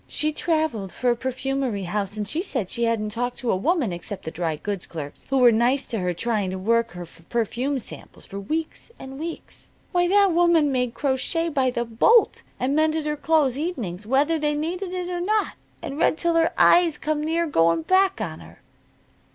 She traveled for a perfumery house, and she said she hadn't talked to a woman, except the dry goods clerks who were nice to her trying to work her for her perfume samples, for weeks an' weeks. Why, that woman made crochet by the bolt, and mended her clothes evenings whether they needed it or not, and read till her eyes come near going back on her."